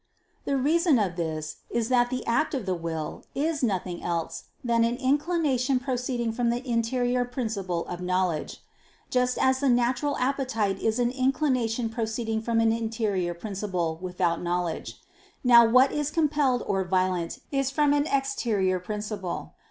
The reason of this is that the act of the will is nothing else than an inclination proceeding from the interior principle of knowledge: just as the natural appetite is an inclination proceeding from an interior principle without knowledge. Now what is compelled or violent is from an exterior principle.